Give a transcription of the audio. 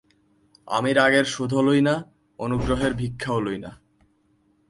আমি রাগের শোধও লই না, অনুগ্রহের ভিক্ষাও লই না।